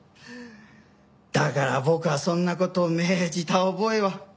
だから僕はそんな事を命じた覚えは。